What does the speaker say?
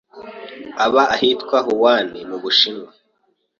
Aba ahitwa Wuhan, mmubushinwa